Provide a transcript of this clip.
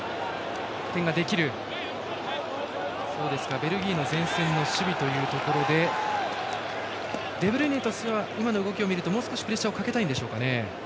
ベルギーの前線の守備というところでデブルイネとしては今の動きを見ると、もう少しプレッシャーをかけたいんでしょうかね。